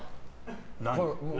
何？